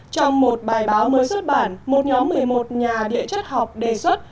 trong một bài báo mới xuất bản một nhóm một mươi một nhà địa chất học đề xuất